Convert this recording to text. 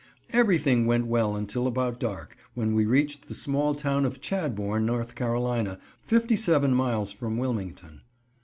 Every thing went well until about dark, when we reached the small town of Chadbourn, N. C., fifty seven miles from Wilmington.